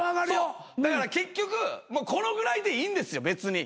だから結局このぐらいでいいんですよ別に。